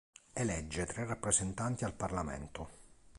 Elegge tre rappresentanti al Parlamento.